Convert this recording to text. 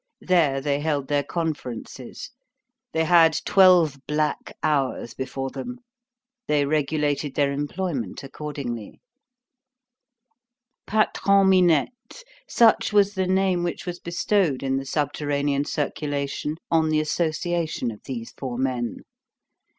There they held their conferences. They had twelve black hours before them; they regulated their employment accordingly. Patron Minette,—such was the name which was bestowed in the subterranean circulation on the association of these four men.